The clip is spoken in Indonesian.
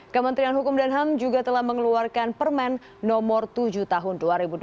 kementerian hukum dan ham juga telah mengeluarkan permen nomor tujuh tahun dua ribu dua puluh